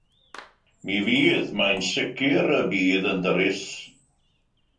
Mi fydd - mae'n sicr y bydd yn ddyrys.